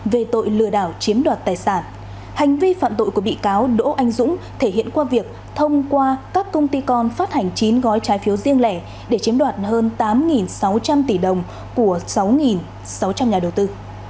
về tội lừa đảo chiếm đoạt tài sản hành vi phạm tội của bị cáo đỗ anh dũng thể hiện qua việc thông qua các công ty con phát hành chín gói trái phiếu riêng lẻ để chiếm đoạt hơn tám sáu trăm linh tỷ đồng của sáu sáu trăm linh nhà đầu tư